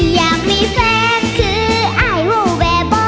อยากมีแฟนคือไอ้ว่าแบบบ่